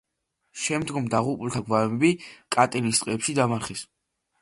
შემდგომ დაღუპულთა გვამები კატინის ტყეებში დამარხეს.